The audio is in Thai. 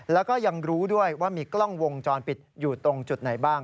แล้วก็ยังรู้ด้วยว่ามีกล้องวงจรปิดอยู่ตรงจุดไหนบ้าง